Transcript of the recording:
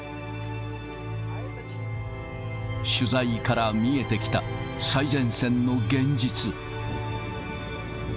取材から見えてきた、最前線の現実。